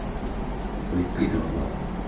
ごゆっくりどうぞ。